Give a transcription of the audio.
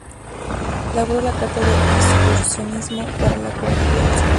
Elaboró la Carta de Excursionismo para la cordillera central.